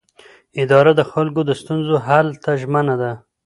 اداره د خلکو د ستونزو حل ته ژمنه ده.